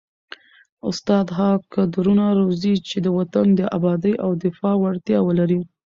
استاد هغه کدرونه روزي چي د وطن د ابادۍ او دفاع وړتیا ولري.